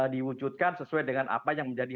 diwujudkan sesuai dengan apa yang menjadi